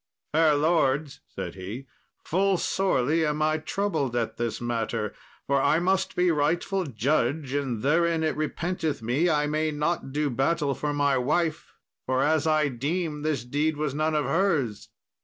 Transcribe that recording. "Fair lords," said he, "full sorely am I troubled at this matter, for I must be rightful judge, and therein it repenteth me I may not do battle for my wife, for, as I deem, this deed was none of hers.